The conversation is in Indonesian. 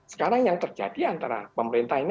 sekarang yang terjadi antara pemerintah ini